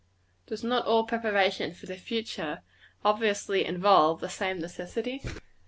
Does not all preparation for the future, obviously involve the same necessity?